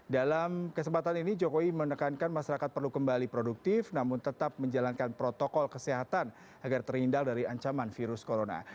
dalam kesempatan ini jokowi menekankan masyarakat perlu kembali produktif namun tetap menjalankan protokol kesehatan agar terhindar dari ancaman virus corona